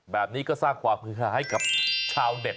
แบบนี้ก็สร้างความฮือหาให้กับชาวเน็ต